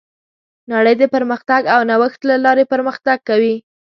نړۍ د پرمختګ او نوښت له لارې پرمختګ کوي.